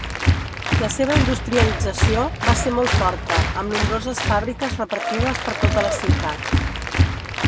La seva industrialització va ser molt forta, amb nombroses fàbriques repartides per tota la ciutat.